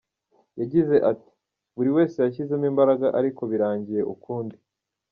Yagize ati “ Buri wese yashyizemo imbaraga ariko birangiye ukundi.